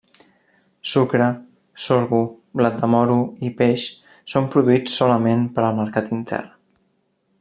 Sucre, sorgo, blat de moro i peix són produïts solament per al mercat intern.